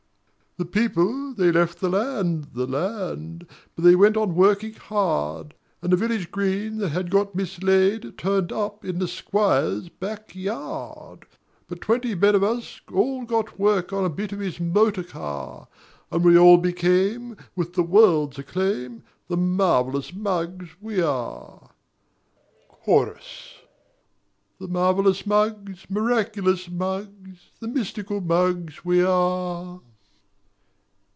The people they left the land, the land, But they went on working hard; And the village green that had got mislaid Turned up in the squire's back yard: But twenty men of us all got work On a bit of his motor car; And we all became, with the world's acclaim, The marvellous mugs we are: Chorus The marvellous mugs, miraculous mugs, The mystical mugs we are.